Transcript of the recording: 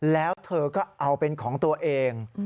แล้วเธอก็เอาเป็นของตัวเอง